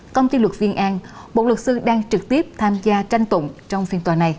công ty luật viên an một luật sư đang trực tiếp tham gia tranh tụng trong phiên tòa này